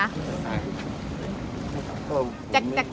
อือค่ะ